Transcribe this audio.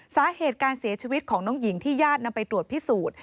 สาเหตุการเสียชีวิตของน้องหญิงที่ญาตินำไปตรวจพิสูจน์